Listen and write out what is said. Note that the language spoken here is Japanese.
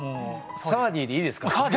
サワディーでいいです。